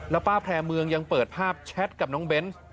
แล้วป้าแพร่เมืองยังเปิดภาพแชทกับน้องเบนส์